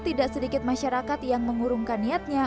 tidak sedikit masyarakat yang mengurungkan niatnya